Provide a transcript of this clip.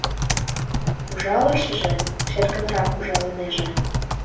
Ужалышыже шергынрак ужалынеже...